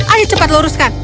ayo cepat luruskan